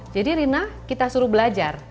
jadi rina kita suruh belajar